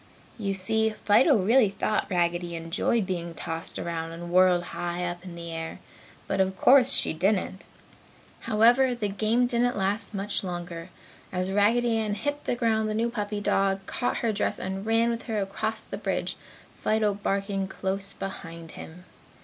You see, Fido really thought Raggedy enjoyed being tossed around and whirled high up in the air. But of course she didn't. However, the game didn't last much longer. As Raggedy Ann hit the ground the new puppy dog caught her dress and ran with her across the bridge, Fido barking close behind him.